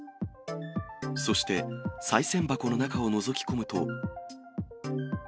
そして、さい銭箱の中をのぞき込むと。